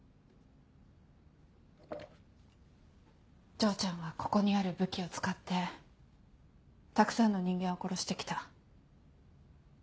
丈ちゃんはここにある武器を使ってたくさんの人間を殺して来た。